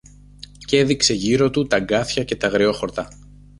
Κι έδειξε γύρω του τ' αγκάθια και τ' αγριόχορτα